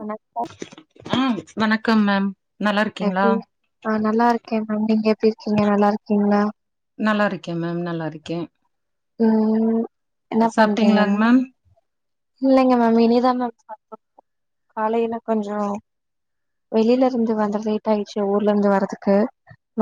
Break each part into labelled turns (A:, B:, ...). A: வண
B: ஆஹ் வணக்கம் மேம் நல்லா இருக்கீங்களா
A: எப்டி ஆஹ் நல்லா இருக்கே மேம் நீங்க எப் டி இருக்கீங்க நல்லா இருக்கீங்களா
B: நல்லா இருக்கே மேம் நல்லா இருக்கே
A: உம்
B: சாப்ட்டீங்ளாங் மேம்
A: இல்லைங்க மேம் இனிதா மேம் சாப்டுனு காலைல கொஞ்சோ வெளியில இருந்து வந்து லேட் ஆயிடுச்சு ஊர்ல இருந்து வர்றதுக்கு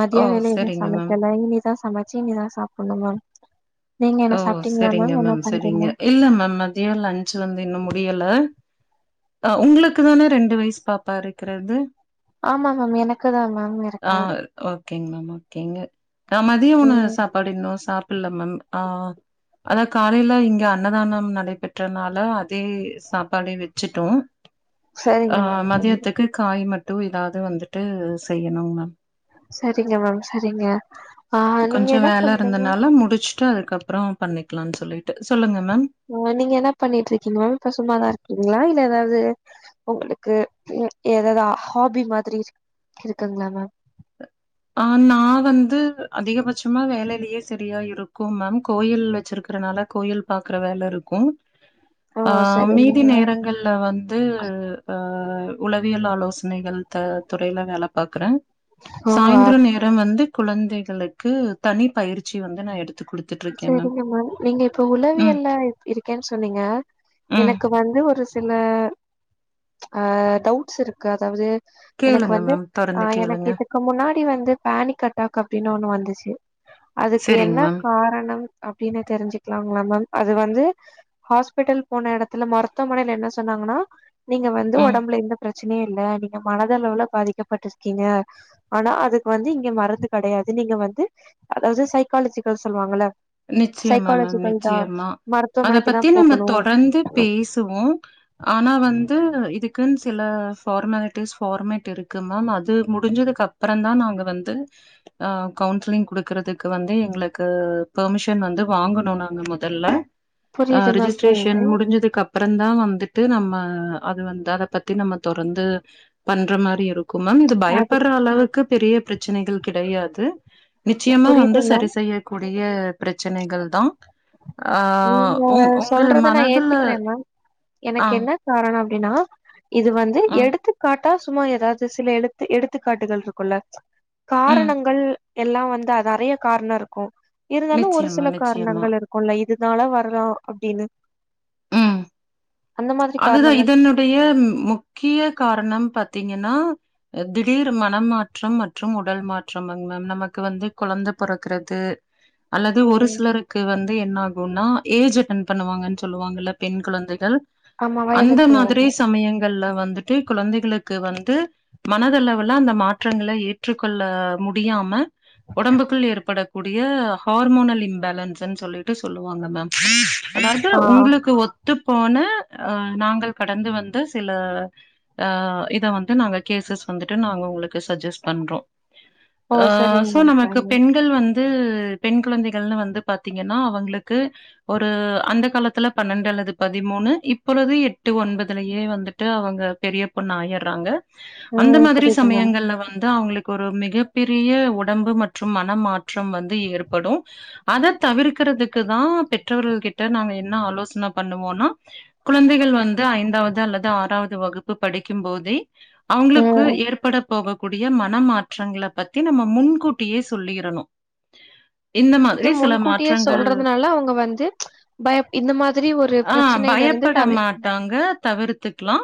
A: மதிய
B: ஓ
A: வேலை இன்னு
B: சரிங்க மேம்
A: சமைக்கல இனிமேதா சமைச்சு இனிதா சாப் பணு மேம் நீங்க என்ன
B: ஓ
A: சாப்ட்டீங்களா
B: சரிங்க
A: என்ன
B: மேம்
A: பண்றீங்க
B: சரிங்க இல்ல மேம் மதியோ லன் ச் வந்து இன்னு முடியல ஆ உங்களுக்கு தான ரெண்டு வயசு பாப்பா இருக்றது
A: ஆமா மேம் எனக்குதா மேம்
B: ஆ
A: இருக்காரு
B: ஓகேங்க மேம் ஓகேங்க ஆ மதியோ உன சாப்பாடு இன்னு சாப் ப்புட்லா மேம் ஆஹ் ஆனா காலையில இங்க அன்னதானம் நடைபெற்றனால அதே சாப்பாடே வச்சுட்டோ
A: சரிங்க
B: ஆஹ்
A: மேம் சரி
B: மதியத்துக்கு காய் மட் டு ஏதாது வந்துட்டு செய்யணுங் மேம்
A: சரிங்க மேம் சரிங்க ஆஹ் நீங்க என்ன பண்றீங்க
B: ட்டு அதுகப்றோ பண்ணிக்லான் சொல்லிட்டு சொல்லுங்க மேம்
A: ஆஹ் நீங்க என்ன பண்ணிட்டு இருக்கீங்க மேம் இப்ப சும்மாதா இருக்கீங்ளா இல்ல அதாவது உங்களுக்கு அ ஏதாவது ஹாபி மாதிரி இருக்குங்களா மேம்
B: அஹ் நா வந்து அதிகபட்சமா வேலையிலயே சரியா இருக்கு மேம் கோயில் வச்சிருக்றனால கோயில் பாக்ற வேல இருக்கும்
A: ஓ
B: ஆஹ்
A: சரிங்க
B: மீதி
A: மேம்
B: நேரங்கள்ல வந்து அஹ் அ உளவியல் ஆலோசனைகள் த துறையில வேல பாக்குறே
A: ஓ
B: சாய்ந்தரோ
A: அப்
B: நேரம் வந்து குழந்தைகளுக்கு தனி பயிற்சி வந்து நா எடுத்
A: சரிங்க மேம் நீங்க இப்ப
B: ம்
A: உளவியல்ல இருக்கேன்னு சொன்னீங்க
B: ம்
A: எனக்கு வந்து ஒரு சில ஆ டவுட்ஸ் இருக்கு அதாவது எனக்கு
B: கேளுங்க
A: வந்து
B: மேம் தொடர்ந்து
A: ஆ எனக்கு
B: கேளுங்க
A: இதுக்கு முன்னாடி வந்து பானிக் அட்டாக் அப்டின்னு ஒண்ணு வந்துச் சேரி
B: சரிங்க மேம்
A: காரணம் அப்டின்னு தெரிஞ்சுக்கலாங்ளா மேம் அது வந்து ஹாஸ்பிட்டல் போன இடத்துல மருத்துவமனைல என்ன சொன்னாங்கனா நீங்க வந்து
B: ம்
A: உடம்புல எந்த பிரச்சன இல்ல நீங்க மனதளவுல பாதிக்கப்பட்டிருக்கீங்க ஆனா அதுக்கு வந்து இங்க மருந்து கிடையாது நீங்க வந்து அதாவது சைக்காலஜி அ சொல்லுவாங்கல
B: நிச்சயமா மேம் நிச்சயமா அத
A: மருத்துவமனைக்கு தா
B: பத்தி நம்ம
A: போகணு
B: தொடர்ந்து பேசுவோ ஆனா வந்து த்து இதுக்குன் சில ஃபார்மாலிட்டிஸ் ஃபார்மேட் இருக்கு மேம் அது முடிஞ்சதுக்கு அப்பறதா நாங்க வந்து ஹ கவுன்சிலிங் குடுக்கறதுக்கு வந்து எங்களுக்கு பெர்மிஷன் வந்து வாங்கணு நாங்க முதல்ல ஆ
A: புரியுது மேம்
B: ரிஜிஸ்ட்ரேஷன்
A: புரியுது
B: முடிஞ்சதுக்கு அப்பறம் தா வந்து இது நம்ம அது வந்து அத பத்தி நம்ம தொடர்ந்து பண்ற மாரி இருக்கும் மேம் இது
A: அது
B: பயப்படுற அளவுக்கு பெரிய பிரச்ச பிரச்சனைகள் கிடையாது நிச்சயமா வந்து
A: புரியுது மேம்
B: சரி செய்யக்கூடிய பிரச்சனைகள் தா ஆ
A: நீங்க
B: உங் உங்கள்
A: சொல்றத நா
B: மனதுல ஆ
A: அப்டினா இது வந்து
B: ம்
A: எடுத்துக்காட்டு தா சும்மா எதாவது சில எடுத்து எடுத்துக்காட்டுகள் இருக்குள்ள
B: ம்
A: காரணங்கள் எல்லா வந்து அது நிறைய காரணம் இருக்கும் இருந்தாலு ஒரு
B: நிச்சயமா
A: சில
B: நிச்சயமா
A: காரணங்கள் இருக்குல இதுனால வரலா அப்டின்னு
B: ம்
A: அந்த மாதிரி
B: அதுதா
A: காரணங்கள்
B: இதனுடைய முக்கிய காரணம் பத் வந்தீங்கன்னா திடீர் மனமாற்றம் மற்றும் உடல் மாற்றம் மேம் நமக்கு வந்து குழந்தை பிறக்கறது அல்லது ஒரு
A: ம்
B: சிலருக்கு வந் என்ன ஆகும்னா ஏஜ் அட்டென் பண்ணுவாங்க சொல்லுவாங்க பெண் குழந்தைகள்
A: ஆமா
B: அந்த
A: வயதிற்கு வயது
B: மாதிரி சமயங் கல்ல வந்துட்டு குழந்தைகளுக்கு வந்து மனதளவுல அந்த மாற்றங்கள ஏற்றுக்கொள்ள முடியாம ஒடம்புக்குள் ஏற்படக் கூடிய ஹார்மோனல் இம்பேலன்ஸ்ன் சொல்லிட்டு சொல்லுவாங்க மேம் அதாவது
A: ஆ
B: உங்களுக்கு ஒத் ஒத்து போன அ நாங்கள் கடந்து வந்து சில ஆ இத வந்து நாங்க கேசஸ் வந்துட்டு நாங்க உங்களுக் சஜஸ்ட் பண்றோ
A: ஓ சரிங்க
B: சோ
A: மேம்
B: நமக்கு
A: சரிங்க
B: பெண்கள் வந் து பெண் குழந்தைகள்னு வந்து பாத்தீங்கன்னா அவங்களுக்கு ஒரு அந்த காலத்துல பன்னெண்டு அல்லது பதிமூணு இ ப்பொழுது எட்டு ஒன்பதுலயே வந்துட்டு அவங்க பெரிய பொண்ணா ஆயிறாங்க அந்த
A: ம்
B: மாதிரி
A: புரியுது மேம்
B: சமயங்கள்ல வந்து அவங்களுக் ஒரு மிகப்பெரிய உடம்பு மற்றும் மனமாற்றம் வந்து ஏற்படு அத தவிர்க்கறதுக்கு தா பெற்றவர்கள் கிட்ட நாங்க என்ன ஆலோசன பண்ணுவோனா குழந்தைகள் வந்து ஐந்தாவது அல்லது ஆறாவது வகுப் பு படிக்கும் போதே அவங்களுக்கு
A: ம்
B: ஏற்பட போகக்கூடிய மனமாற்றங்கள பத்தி நம்ம முன்கூட்டியே சொல்லிரணு
A: அது முன்கூட்டியே சொல்றதுனால அவங்க வந்து பய இந்த மாதிரி ஒரு பிரச்சனையில இருந்து
B: ப்ட
A: தவிர்
B: மாட்டாங்க தவிர்த்துக்கலா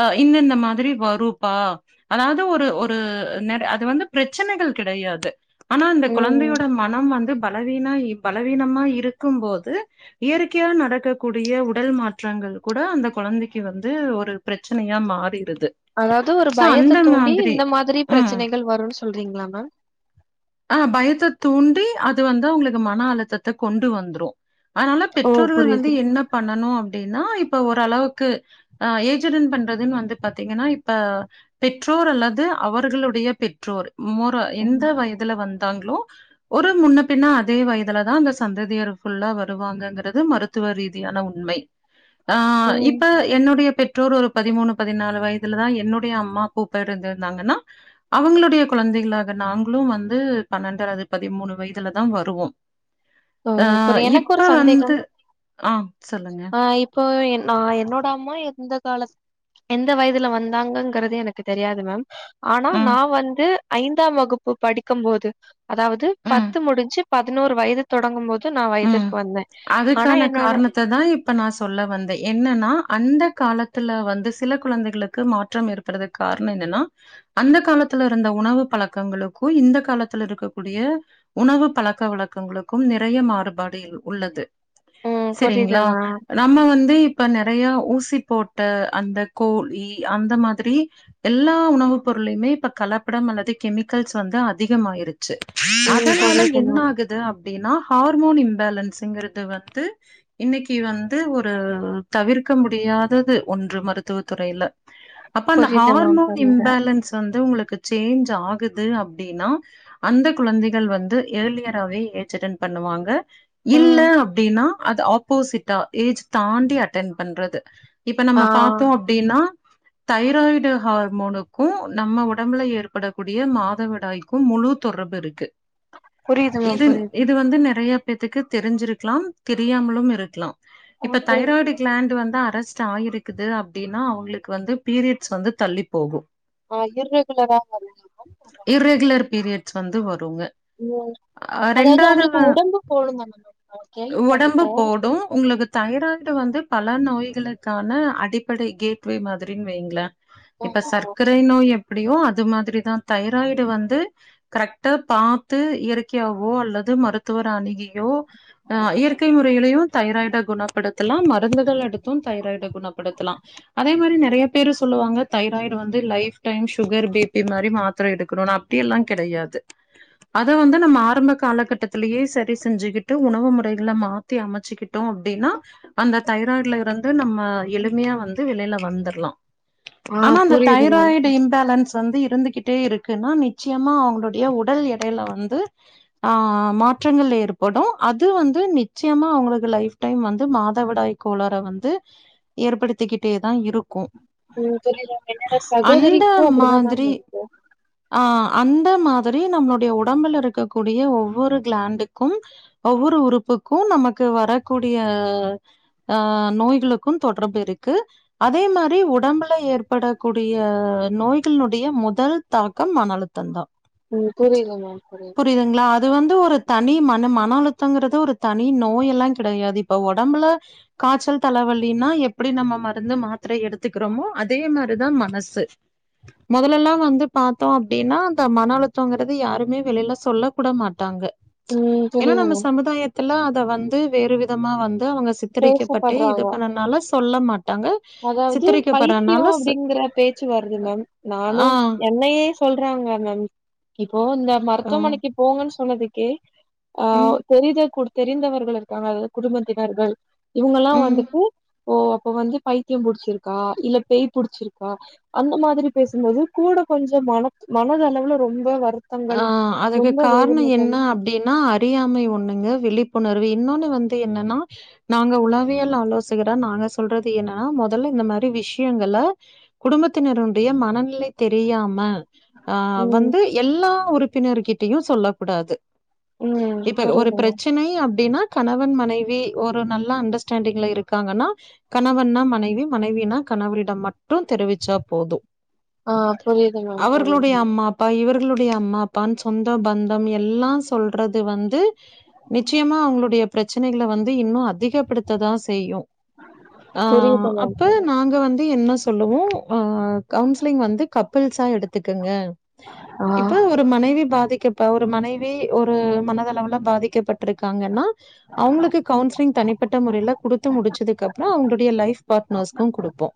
B: அஹ் இந்தந்த மாதிரி வருப்பா அதாவது ஒரு ஒரு ந அது வந்து பிரச்சனைகள் கெடையாது ஆனா இந்த
A: ம்
B: குழந்தையோட மனம் வந்து பலவீனா பலவீனமா இருக்கும் போது இயற்கையா நடக்கக்கூடிய உடல் மாற் ற்றங்கள் கூட அந்த குழந்தைக்கு வந்து ஒரு பிரச்சனையா மாறிறு
A: அதாவது ஒரு பயத்த தூண்டி இந்த மாதிரி
B: ம்.
A: பிரச்சனைகள் வருனு சொல்றீங்களா மேம்
B: அஹ் பயத்த தூண்டி அது வந்து அவங்களுக்கு மன அழுத்தத்த கொண்டு வந்துரும் அதனால
A: ஓ
B: பெற்றோர்கள் வந்து
A: புரியுது
B: என்ன பண்ணனு அப்டின்னா இப்ப ஓரளவுக்கு அ ஏஜ் அட்டன் பண்றதுன் வந்து பாத்தீங்கன்னா இப்ப பெற்றோர் அல்லது அவர்களுடைய பெற்றோர் முற எந்த
A: ம்
B: வயது ந்தாங்களோ ஒரு முன்ன பின்ன அதே வயதுலதா அந்த சந்ததியர் ஃபுல்லா வருவாங்கங்கிறது மருத்துவ ரீதியான உண்மை ஆஹ்
A: ம்
B: இப்ப என்னுடைய பெ றோர் ஒரு பதிமூணு பதினாலு வயதுல தா என்னுடைய அம்மா பூ பெயர்ந்துருந்தாங்கன்னா அவங்களுடைய குழந்தைகளாக நாங்களு வந் து பன்னெண்டு அல்லது பதிமூணு வயதுலதா வருவோம்
A: ஓ
B: அஹ்
A: புரி எனக்கு ஒரு
B: இப்ப வந்து
A: சந்தேகம்
B: ஆஹ் சொல்லுங்க
A: ஆ இப்போ நா என்னோட அம்மா எந்த கால எந்த வயதுல வந்தாங்கங்கிறது எனக்கு தெரியாது மேம் ஆனா
B: ம்,
A: நா வந்து ஐந்தாம் வகுப்பு படிக்கும் போது அதாவது
B: ம்,
A: பத்து முடிஞ்சு பதினோரு வயது தொடங்கும் போது
B: உம் அதுக்கான காரணத்த தா இப்ப நா சொல்ல வந்தே என்னன்னா அந்த காலத்துல வந்து சில கொழந்தைகளுக்கு மாற்றம் ஏற்படுறதுக்கு காரணோ என்னன்னா அந்த காலத்துல இருந்த உணவு பழக்கங்களுக்கோ இந்த காலத்துல இருக்கக்கூடிய உணவு பழக்க வழக்கங்களுக்கும் நெறைய மாறு பாடியில் உள்ளது
A: ம் புரியுது
B: சேரிங்களா
A: மேம்.
B: நம்ம வந்து இப்ப நெறைய ஊசி போட்ட அந்த கோழி அந்த மாதிரி எல்லா உணவு பொருளுமே இப்ப கலப்படம் அல்லது கெமிக்கல்ஸ் வந்து அதிகமாயிருக் சி
A: ம்
B: அதனால
A: புரியுது
B: என்ன
A: மேம்.
B: ஆகுது அப் டினா ஹார் ஹார்மோன் இம்பேலன்ஸ்ங்கறது வந்து இன்னைக்கு வந்து ஒரு தவிர்க்க முடியாதது ஒன்று மருத்துவ துறைல அப்ப அந்த
A: புரியுது மேம்,
B: ஹார்மோன்
A: புரியுது.
B: இம்பேலன்ஸ் வந்து உங்களுக்கு சேஞ்ச் ஆகுது அப்டின்னா அந்த குழந்தைகள் வந்து ஏர்லியரவே ஏஜ் அட்டென்ட் பண்ணுவாங்க இல்ல
A: ம்.
B: அப்டின்னா அது ஆப்போசிட்டா ஏஜ் தாண்டி அட்டென்ட் பண்றது இப்ப
A: ஆ
B: நம்ம பாத்தோம் அப்டின்னா தைராய்டு ஹார்மோனுக்கும் நம்ம உடம்பு ஏற்படக்கூடிய மாதவிடாய்க்கும் முழு தொடர்பு இருக்கு
A: புரியுது மேம்,
B: இது
A: புரியுது.
B: இது வந்து நெறய பேத்துக்கு தெரிஞ்சிருக்கலாம் தெரியாமலும் இருக்கலாம்
A: ஆ
B: இப்ப
A: புரியுது.
B: தைராய்டு கிலாண்ட் வந்து அரஸ் ட் ஆயிருக்கது அப்டின்னா அவுங்களுக்கு வந்து பீரியட்ஸ் வந்து தள்ளி போகோ
A: ஆஹ் இர்ரெகுலரா வந்துச்சு மேம் என் தங்கச்சிக்கு
B: இர்ரெகுலர் பீரியட்ஸ் வந்து வர்
A: உ அதாவது அவுங்களுக்கு உடம்பு போடும் தான மேம் நான்
B: உடம்பு
A: கேள்விப்பட்டுருக்கேன்.
B: போடும் உங்களுக்கு தைராய்டு வந்து பல நோய்களுக்கான அடிப்படை கேட்வே மாதிரின்னு வெயுங்களேன்
A: ஆ
B: இப்ப சர்க்கரை நோய் எப்டியோ அது மாதிரிதா தைராய்டு வந்து கரெக்டா பாத்து இயற்கையாவோ அல்லது மருத்துவர் அணிகி யோ அஹ் இயற்கை முறையிலயு தைராய்ட குணப்படுத்தலாம் மருந்துகள் எடுத்தும் தைராய்ட குணப்படுத்தலா அதே மாரி நெறைய பேர் சொல்லுவாங்க தைராய்டு வந்து லைப் டைம் சுகர் பீபி மாரி மாத்திர எடுக்கணும் அப்டியெல்லா கெடயாது அத வந்து நம்ம ஆரம்ப காலகட்டத்திலயே சரி செய் செஞ்சுக்கிட்டு உணவு முறைகளை மாத்தி அமைச்சுக்கிட்டோம் அப்டின்னா அந்த தைராய்ட்ல இருந் து நம்ம எளிமையா வந்து வெளியில வந்துட்லா
A: ஆ
B: ஆனா அந்த
A: புரியுது மேம்.
B: தைராய்டு இன்பேலன்ஸ் வந்து இருந்துகிட்டே இருக்கன்னா நிச்சயமா அவுங்களுடைய உடல் எடையில வந்து ஆஹ் மாற்றங்கள் ஏற்ப படோ அது வந்து நிச்சயமா அவுங்களுக்கு லைஃ டைம் வந்து மாதவிடாய் கோளற வந்து ஏற்படுத்திக்கிட்டே தா இருக்கோ
A: உம் பரியுது மேம் என்னோட சகோதரிக்கும் அப்டிதா மேம்
B: மாதிரி
A: இருக்கு
B: ஆ அந்த மாதிரி நம்மளுடைய உடம்பில் இருக்கக்கூடிய ஒவ்வொரு கிளாண்டு க்கும் ஒவ்வொரு உறுப்புக்கும் நமக்கு வரக்கூடிய ஆஹ் நோய்களுக்கும் தொடர்பு இருக்கு அதே மாரி உடம்புல ஏற்படக்கூடிய நோய்களுடைய முதல் தாக்கம் மன அழுத்தம் தா
A: உம் புரியுது மேம் புரியுது
B: அது வந்து ஒரு தன் நீ மன மன அழுத்தங்கறது ஒரு தனி நோய் எல்லாங் கெடயாது இப்ப ஒடம்புல காய்ச்சல் தலைவலின்னா எப்பிடி நம்ம மருந்து மாத்திரை எடுத்துக்கறோமோ அதே மாரிதா மனசு மொதலெல்லா வந்து பாத்தோ அப்டின்னா அந்த மன அழுத்தங்கறது யாருமே வெளில சொல்ல கூட மாட்டாங்க
A: ம்
B: ஏன்னா
A: புரியுது
B: நம்ம சமுதாய த்தில அத வந்து வேறு விதமா வந் து அவங்க சித்தரிக்கப்பட்டே இது
A: பேசப்படுறாங்க
B: பண்ணனால சொல்ல மா
A: அதாவது பைத்தியோ
B: ஸ்
A: அப்டிங்கற பேச்சு வருது மேம்
B: ஆ,
A: நானும் என்னையே சொல்றாங்க மேம் கி இப்போ இந்த
B: ஆ,
A: மருத்துவமனைக்கு போங்கன் ஸ் சொன்னதுக்கே ஆஹ்
B: ம்,
A: தெரிதே குடு தெரிந்தவர்கள் இருக்காங்க அதாவது குடும்பத்தினர்கள் இவுங்கெல்லா
B: ம்.
A: வந்துட்டு ஓ அப்ப வந்து பைத்தியம் புடிச்சிருக்கா இல்ல பேய் புடிச்சிருக்கா அந்த மாதிரி பேசும்போது கூட கொஞ்சம் மன மனதளவுல ரொம்ப வருத்
B: ஆ அதுக்கு கார்ணோ என்ன அப்டின்னா அறியாமை ஒண்ணுங்க விழிப்புணர் வு இன்னொன்னு வந்து என்னன்னா நாங்க உளவியல் ஆலோசகரா நாங்க சொல்றது என்னானா மொதல்ல இந்த மாரி விஷ்யங்கல குடும்பத்தினருடைய மனநிலை தெரியாம ஆ
A: ம்
B: வந்து எல் உறுப்பினர்கிட்டயு சொல்ல கூடாது
A: ம்
B: இப்ப ஒரு
A: புரியுது மேம்
B: பிரச்சினை அப்டின்னா கணவன் மனைவி ஒரு நல்ல அண்டர்ஸ்டாண்டிங்ல இருக்காங்கன்னா கணவன்னா மனைவி மனைவினா கணவரிடம் மட் டு தெரிவிச்சா போது
A: ஆ புரியுது மேம் புரியுது
B: அவர்களுடைய அம்மா அப்பா இவர் களுடைய அம்மா அப்பான் சொந்த பந்தம் எல்லா சொல்றது வந்து நிச்சயமா அவுங்களுடைய பிரச்சினைகள வந்து இன்னு அதிகப்படுத்ததா செய்யு ஆஹ்
A: புரியுது மேம்
B: அப்ப
A: புரியுது
B: நாங்க வ து என்ன சொல்லுவோ அ கவுன்சிலிங் வந்து கப்பிள்ஸா எடுத்துக்கங்க
A: ஆ
B: இப்ப ஒரு மனைவி பாதிக்கப் இப்ப ஒரு மனைவி ஒரு மனதளவுல பாதிக்கப்பட்டிருக்காங்கன்னா அவுங்குளுக்கு கவுன்சிலிங் தனிப்பட்ட முறையில குடுத்து முடிச்சதுக்கு அப்புறோ அவுங்களுடைய லைஃப் பாட்னர்சுக்கு குடுப்போ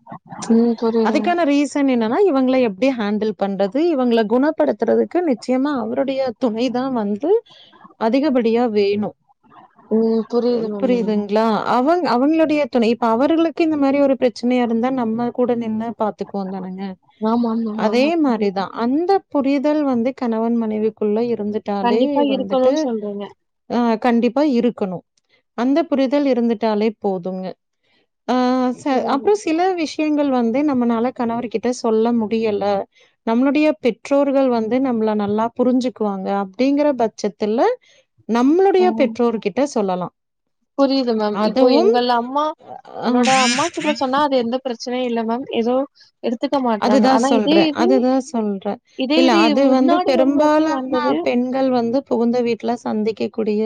A: ம் புரியுது மேம்
B: அதுக்கான ரீசன் என்ன ன இவங்கள எப்டி ஹேண்டில் பண்றது இவங்கள குணப் படுத்தறதுக்கு நிச்சயமா அவருடைய துணை தா வந்து அதிகபடியா வேணு
A: ம் புரியுது மேம்
B: புரியுதுங்ளா அவங் அவுங்களுடைய துணை இப்ப அவர்களுக்கு இந்த மாரி ஒரு பிரச்சனையா இருந்தா நம்ம கூட நின்னு பாத்துக்குவோந் தானுங்க
A: ஆமா ஆமா
B: அதே
A: ஆமா
B: மாரிதா அந்த புரிதல் வந்து கணவன் மனைவிக்குள்ள இர் இருந்துட்டாலே
A: கண்டிப்பா
B: வந்துட்டு
A: இருக்கணும்னு சொல்றீங்க
B: அ கண்டிப்பா இருக்கணு அந்த புரிதல் இருந்துட்டாலே போதுங்க ஆ ச
A: ம்
B: அப்றோ சில விஷயங்கள் வந் து நம்மனால கணவர் கிட்ட சொல்ல முடியல நம்மளுடைய பெற் றோர்கள் வந்து நம்மள நல்லா புரிஞ்சுக்குவாங்க அப்டிங்கற பட்சத்துல நம்மளுடைய
A: ம்.
B: பெற்றோர்கிட்ட சொல்லலா
A: புரியுது மேம் இப்போ எங்கள் அம்மா
B: அ
A: என்னோட அம்மா கிட்ட சொன்னா அது எந்த பிரச் ச்சன இல்ல மேம் எதோ
B: அதுதா சொல்றே அதுதா சொல்றே
A: இதே
B: இல்ல
A: இது
B: அது வந்து
A: முன்னாடி ஒரு வாட்டி
B: பெரும்பாலான
A: வந்தது
B: பெண்கள் வந்து புகுந்த வீட்ல சந்திக்க கூடிய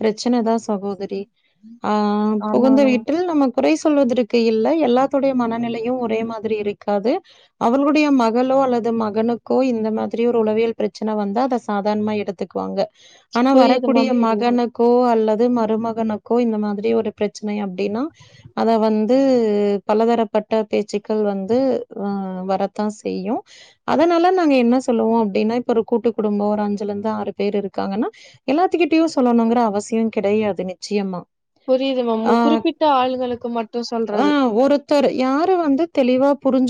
B: பிரச்சனதா சகோதரி ஆ
A: ஆமா
B: புகுந்த
A: மேம்
B: வீட்டில் நமக் குறை சொல்வதற்கு இல்லை எல்லாத்துடைய மனநிலையு ஒரே மாதிரி இருக் காது அவர்களுடைய மகளோ அல்லது மகனுக்கோ இந்த மாதிரி ஒரு உளவியல் பிரச்சனை வந்தா அத சாதாரணமா எடுத்துக்குவாங்க ஆனா
A: புரியுது
B: வரக்கூடிய
A: மேம் புரியுது
B: மகனுக்கோ அல்லது மருமகனுக்கோ இந்த மாதிரி ஒரு பிரச்சனை அப்டின்னா அத வந்து பலதரப்பட்ட பேச்சுக்கள் வந்து அ வரத்தா செய்யு அதனால நாங்க என்ன சொல்லுவோ அப்டின்னா இப்ப ஒரு கூட்டு குடும்ப ஒரு அஞ்சுல இருந்து ஆறு பேர் இருக்காங்கன்னா எல்லாத்துக்கிட்டயு சொல்லணுங்கிற அவசிய கெடையாது நிச்சயமா
A: புரியுது மேம்
B: ஆ
A: குறிப்பிட்ட ஆளுகளுக்கு மட்டு
B: ஆ
A: சொல்றது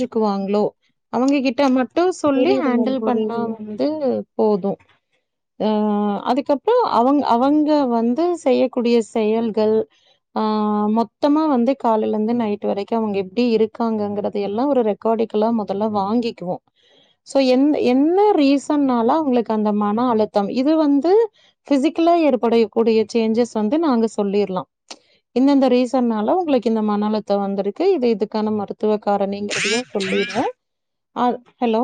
B: க்குவாங்ளோ அவங்க கிட்ட மட் டு சொல்லி
A: புரியுது மேம்
B: ஹேண்டில் பண்ணா
A: புரியுது
B: வந்து போது அ அதுக்கப்புற அவங் அவங்க வந்து செய்யக்கூடிய செயல்கள் ஆ மொத்தமா வந்து காலைல இருந்து நைட் வரைக்கு அவங்க எப்டி இருக்காங்கங்கறது எல்லா ஒரு ரெக்காடிகலா மொதல்ல வாங்கிக்குவோ சோ எந் என்ன ரீசன்னால அவங்களுக்கு அந்த மன அழுத்தம் இது வந்து ஃபிசிகலா ஏற்படக்கூடிய சேஞ்சஸ் வந்து நாங்க சொல்லிர்லா இந்தந்த ரீசன்னால உங்களுக்கு இந்த மன அழுத்த வந்திருக்கு இது இதுக்கான மருத்துவ காரணிங்கறதயு சொல்லிருவ ஆ ஹலோ